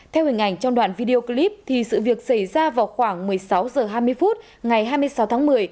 theo hình ảnh trong đoạn video clip sự việc xảy ra vào khoảng một mươi sáu h hai mươi phút ngày hai mươi sáu tháng một mươi